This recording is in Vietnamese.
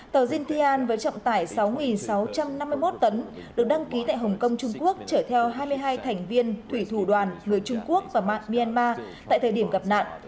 tàu jintyan với trọng tải sáu sáu trăm năm mươi một tấn được đăng ký tại hồng kông trung quốc chở theo hai mươi hai thành viên thủy thủ đoàn người trung quốc và mạng myanmar tại thời điểm gặp nạn